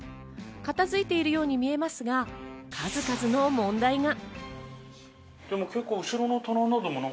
片づいているように見えますが、数々の問題が。